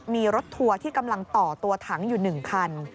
มีรถทัวร์ที่กำลังต่อตัวถังอยู่๑คัน